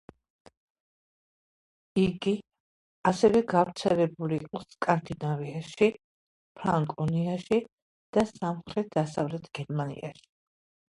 იგი ასევე გავრცელებული იყო სკანდინავიაში, ფრანკონიაში და სამხრეთ-დასავლეთ გერმანიაში.